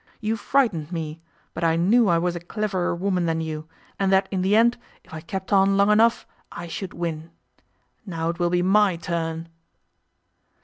You frightened me, but I knew I was a cleverer woman than you, and that in the end, if I kept on long enough, I should win. Now it will be my turn.